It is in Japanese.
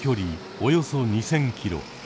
およそ２，０００キロ。